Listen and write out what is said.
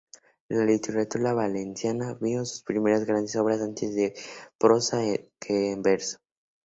La literatura valenciana vio sus primeras grandes obras antes en prosa que en verso.